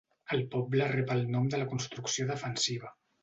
El poble rep el nom de la construcció defensiva.